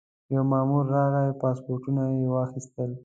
یو مامور راغی پاسپورټونه یې واخیستل.